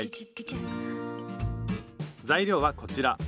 材料はこちら。